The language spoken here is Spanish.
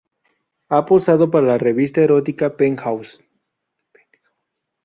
Ha posado para la revista erótica Penthouse.